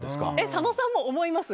佐野さんも思います？